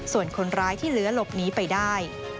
ส่วนคนร้ายที่เหลือหลบหนีไปได้